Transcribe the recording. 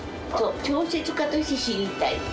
小説家として死にたい。